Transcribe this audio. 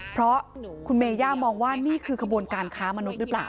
เพราะคุณเมย่ามองว่านี่คือขบวนการค้ามนุษย์หรือเปล่า